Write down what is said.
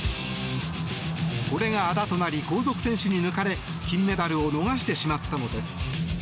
これがあだとなり後続選手に抜かれ金メダルを逃してしまったのです。